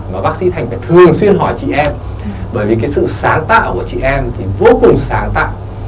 mà bác sĩ thành phải thường xuyên hỏi chị em bởi vì cái sự sáng tạo của chị em thì vô cùng sáng tạo